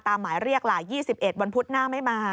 หมายเรียกล่ะ๒๑วันพุธหน้าไม่มา